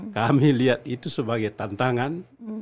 kami lihat itu sebagai tantangan